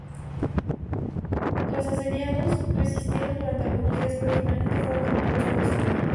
Los asediados resistieron durante algunos días pero finalmente fueron derrotados por los alemanes.